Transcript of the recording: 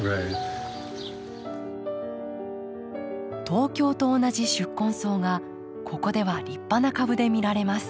東京と同じ宿根草がここでは立派な株で見られます。